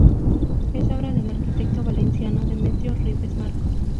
Es obra del arquitecto valenciano Demetrio Ribes Marco.